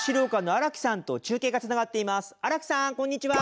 荒木さんこんにちは！